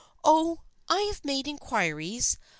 " Oh, I have made inquiries.